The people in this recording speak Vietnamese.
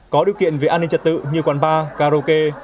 có điều kiện về an ninh trật tự như quán bar karaoke